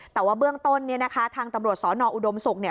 แต่ว่าเบื้องต้นเนี่ยนะคะทางตำรวจสอนออุดมศุกร์เนี่ย